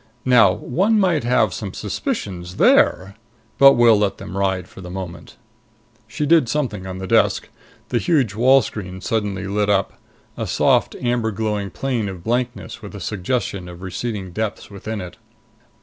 Now one might have some suspicions there! But we'll let them ride for the moment." She did something on the desk. The huge wall screen suddenly lit up. A soft, amber glowing plane of blankness, with a suggestion of receding depths within it.